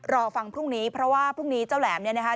รอฟังพรุ่งนี้เพราะว่าพรุ่งนี้เจ้าแหลมเนี่ยนะคะ